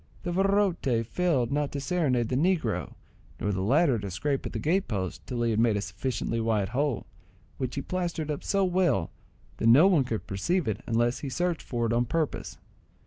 The virote failed not to serenade the negro, nor the latter to scrape at the gate post till he had made a sufficiently wide hole, which he plastered up so well, that no one could perceive it unless he searched for it on purpose.